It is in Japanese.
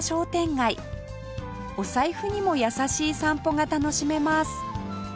お財布にも優しい散歩が楽しめます